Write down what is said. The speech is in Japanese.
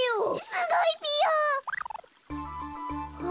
すごいぴよ！あっ。